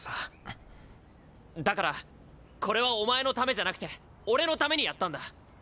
だからこれはお前のためじゃなくて俺のためにやったんだ。